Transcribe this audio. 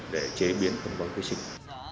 để chế biến công bằng khí sinh